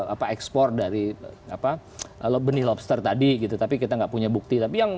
apa ekspor dari apa kalau benih lobster tadi gitu tapi kita enggak punya bukti tapi yang